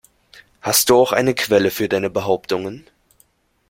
Hast du auch eine Quelle für deine Behauptungen?